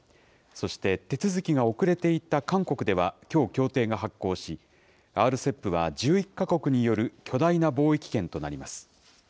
そして手続きが遅れていた韓国では、きょう協定が発効し、ＲＣＥＰは１１か国による巨大な貿易圏となります。